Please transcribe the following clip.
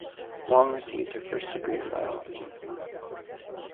Wong received her first degree in biology.